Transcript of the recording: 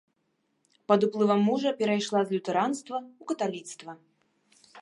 Пад уплывам мужа перайшла з лютэранства ў каталіцтва.